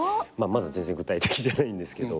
まだ全然具体的じゃないんですけど。